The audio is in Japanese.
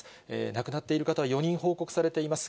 亡くなっている方は４人報告されています。